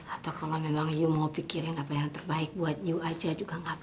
atau kalau memang you mau pikirin apa yang terbaik buat you aja juga nggak apa apa